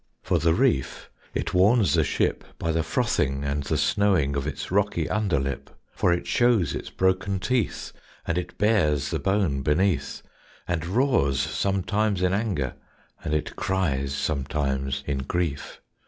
For the reef it warns the ship By the frothing and the snowing Of its rocky underlip; For it shows its broken teeth, And it bares the bone beneath, And roars sometimes in anger, And it cries sometimes in grief.